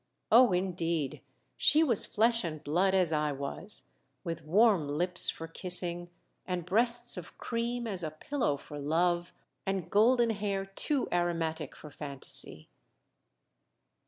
Oh, indeed, she was flesh and blood as I was, with warm lips for kissing, and breasts of cream as a pillow for love, and golden hair too aromatic for phantasy.